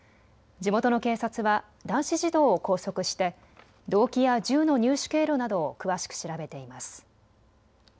地元の警察は男子児童を拘束して動機や銃の入手経路などを詳しく調べています。